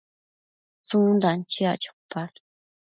tsundan chiac adpash?